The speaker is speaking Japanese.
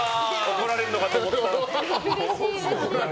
怒られるのかと思った。